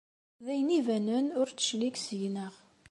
D ayen ibanen ur d-teclig seg-neɣ.